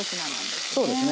そうですね。